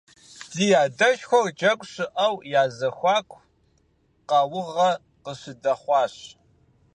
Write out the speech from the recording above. Ди адэшхуэхэр джэгу щыӀэу я зэхуаку къаугъэ къыщыдэхъуащ.